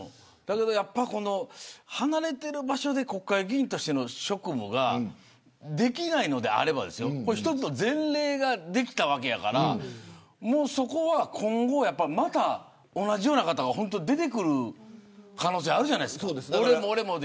離れてる場所で国会議員としての職務ができないのであれば一つの前例ができたわけやからそこは今後また同じような方が出てくる可能性があるじゃないですか俺も俺もで。